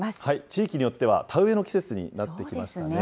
地域によっては、田植えの季節になってきましたね。